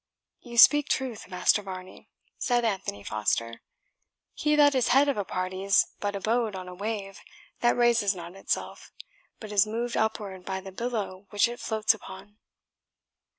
"You speak truth, Master Varney," said Anthony Foster. "He that is head of a party is but a boat on a wave, that raises not itself, but is moved upward by the billow which it floats upon."